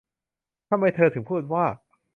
'ทำไมเธอถึงพูดว่า'